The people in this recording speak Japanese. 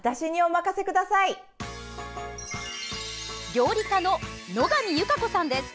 料理家の野上優佳子さんです。